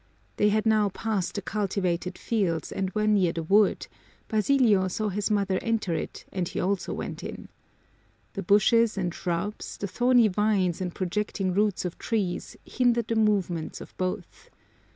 They had now passed the cultivated fields and were near the wood; Basilio saw his mother enter it and he also went in. The bushes and shrubs, the thorny vines and projecting roots of trees, hindered the movements of both.